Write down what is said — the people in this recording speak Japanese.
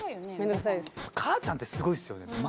母ちゃんってすごいっすよね。